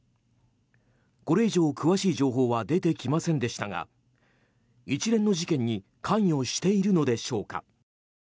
これ以上詳しい情報は出てきませんでしたが一連の事件に関与しているのでしょうか。